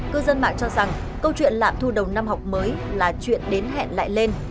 cư dân mạng cho rằng câu chuyện lạm thu đầu năm học mới là chuyện đến hẹn lại lên